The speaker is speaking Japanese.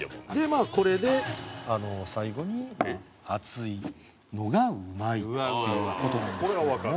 まあこれで最後に「熱いのが美味い！」っていう事なんですけども。